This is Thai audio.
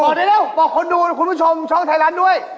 บอกได้แล้วบอกคนดูคุณผู้ชมช่องไทยร้านด้วย